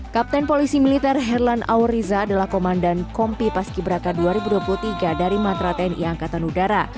kapten polisi militer herlan auriza adalah komandan kompi paski beraka dua ribu dua puluh tiga dari matra tni angkatan udara